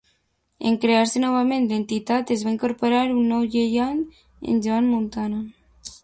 En crear-se novament l'entitat es va incorporar un nou gegant, en Joan Muntada.